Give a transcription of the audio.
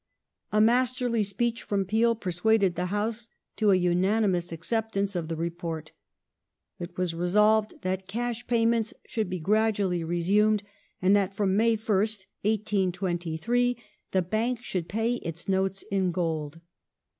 A masterly speech from Peel persuaded the House to a unanimous acceptance of the Report ; it was resolved that cash payments should be gradually resumed, and that from May 1st, 1823, the Bank should pay its notes in gold.